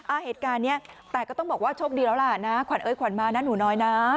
อ่าเหตุการณ์เนี้ยแต่ก็ต้องบอกว่าโชคดีแล้วล่ะนะขวัญเอ้ยขวัญมานะหนูน้อยนะ